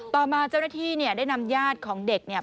ต่อมาเจ้าหน้าที่เนี่ยได้นำญาติของเด็กเนี่ย